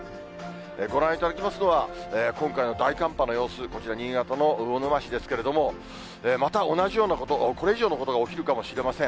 ご覧いただきますのは、今回の大寒波の様子、こちら、新潟の魚沼市ですけれども、また同じようなこと、これ以上のことが起きるかもしれません。